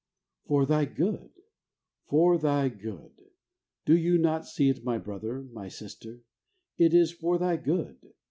For thy good ! for thy good ! Do you not see it, my brother, my sister? It is 'for thy good.